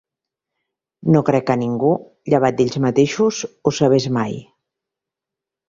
No crec que ningú, llevat d'ells mateixos, ho sabés mai.